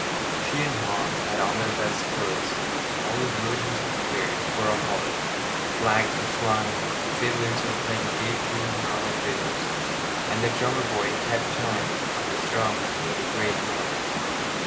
She and Hans had on their best clothes, and all the village was prepared for a holiday. Flags were flying, fiddlers were playing gay tunes on their fiddles, and the drummer boy kept time on his drum and made a great noise.